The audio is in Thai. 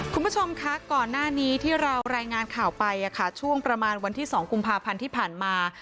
คุณผู้ชมคะก่อนหน้านี้ที่เรารายงานข่าวไปช่วงประมาณวันที่๒กุมภาพันธ์ที่ผ่านมา